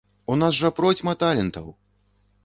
У нас жа процьма талентаў!